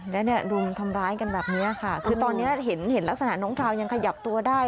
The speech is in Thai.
แล้วเนี่ยรุมทำร้ายกันแบบนี้ค่ะคือตอนนี้เห็นลักษณะน้องคาวยังขยับตัวได้